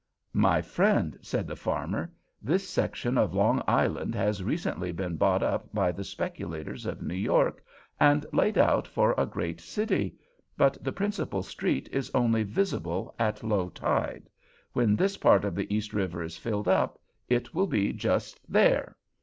"My friend," said the farmer, "this section of Long Island has recently been bought up by the speculators of New York, and laid out for a great city; but the principal street is only visible at low tide. When this part of the East River is filled up, it will be just there.